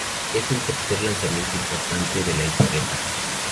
Es el tercer lanzamiento importante de la etiqueta.